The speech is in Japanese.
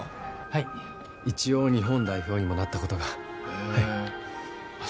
はい一応日本代表にもなったことがへえあ